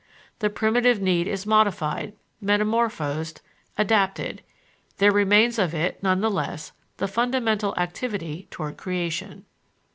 The primitive need is modified, metamorphosed, adapted; there remains of it, nonetheless, the fundamental activity toward creation.